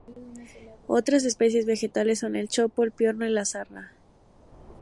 Otras especies vegetales son el chopo, el piorno y la zarza.